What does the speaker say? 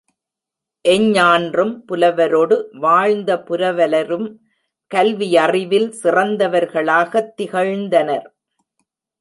எஞ்ஞான்றும் புலவரொடு வாழ்ந்த புரவலரும் கல்வியறிவில் சிறந்தவர்களாகத் திகழ்ந்தனர்.